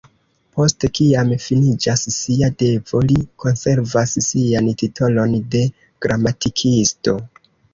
Post kiam, finiĝas sia devo, li konservas sian titolon de "Gramatikisto".